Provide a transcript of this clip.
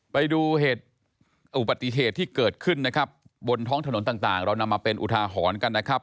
ไปดูเหตุอุบัติเหตุที่เกิดขึ้นนะครับบนท้องถนนต่างเรานำมาเป็นอุทาหรณ์กันนะครับ